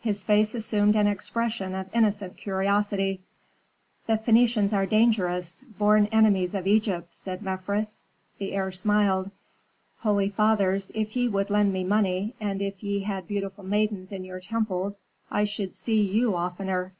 His face assumed an expression of innocent curiosity. "The Phœnicians are dangerous, born enemies of Egypt," said Mefres. The heir smiled. "Holy fathers, if ye would lend me money, and if ye had beautiful maidens in your temples, I should see you oftener.